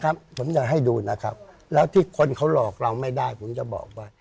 ผมยังให้ดูนะครับแล้วที่คนเขาหลอกเราไม่ได้ผมจะบอกว่า